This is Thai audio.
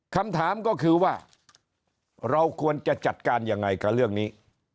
คำถามก็คือว่าเราควรจะจัดการยังไงกับเรื่องนี้